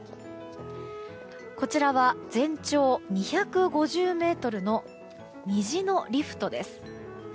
こちらは全長２５０ｍの虹のリフトです。